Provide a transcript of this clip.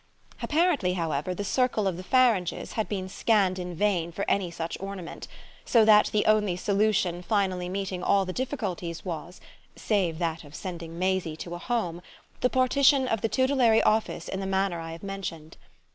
Apparently, however, the circle of the Faranges had been scanned in vain for any such ornament; so that the only solution finally meeting all the difficulties was, save that of sending Maisie to a Home, the partition of the tutelary office in the manner I have mentioned.